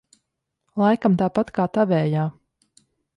Laikam tāpat kā tavējā?